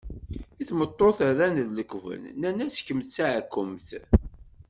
I tmeṭṭut rran lekben nnan-as kemm d taɛkumt.